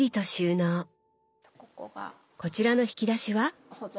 こちらの引き出しは？